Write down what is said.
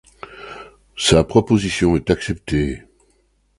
Sa proposition est acceptée.